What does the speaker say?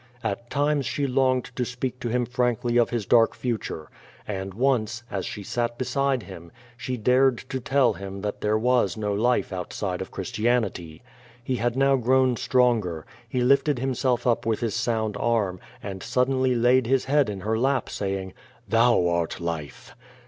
At times she longed to speak to him frankly of his dark future. And once, as she sat beside him, she dared to tell him that there was no life outside of ( hristianity. He had now grown stronger. He lifted himself uj) with his sound arm, and suddenly laid his head in her laj), saying: "Thou art life!"